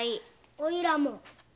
おいらも。